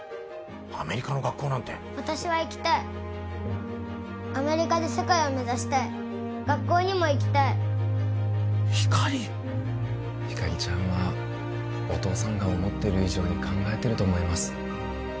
アメリカの学校なんて私は行きたいアメリカで世界を目指したい学校にも行きたいひかりひかりちゃんはお父さんが思ってる以上に考えてると思います